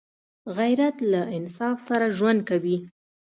غیرت له انصاف سره ژوند کوي